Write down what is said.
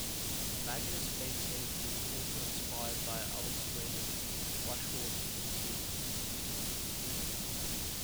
Magnus maintained he was also inspired by Alex Raymond's "Flash Gordon" for the series.